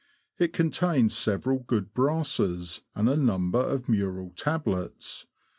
It con tains several good brasses, and a number of mural tablets.